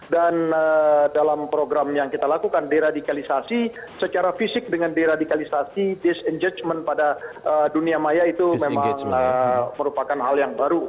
dan dalam program yang kita lakukan deradikalisasi secara fisik dengan deradikalisasi disengajemen pada dunia maya itu memang merupakan hal yang baru